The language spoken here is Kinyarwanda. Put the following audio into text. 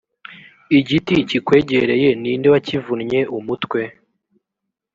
igiti kikwegereye ni nde wakivunnye umutwe